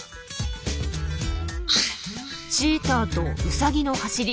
チーターとウサギの走り